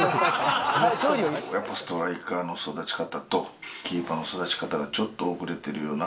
やっぱりストライカーの育ち方とキーパーの育ち方がちょっと遅れてるような。